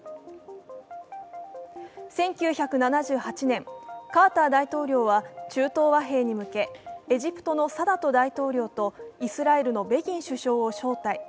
１９７８年、カーター大統領は、中東和平に向け、エジプトのサダト大統領とイスラエルのベギン首相を招待。